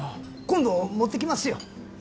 今度持ってきますよ